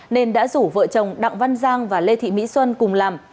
nên đã rủ vợ chồng đặng văn giang và lê thị mỹ xuân cùng làm